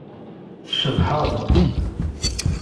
Tcebḥeḍ.